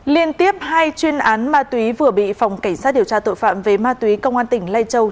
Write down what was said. liên tiếp hai chuyên án ma túy vừa bị phòng cảnh sát điều tra tội phạm về ma túy công an tỉnh lai châu